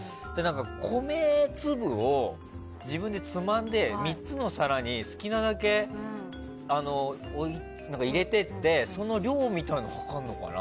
米粒を自分でつまんで３つの皿に好きなだけ入れていってその量をはかるのかな。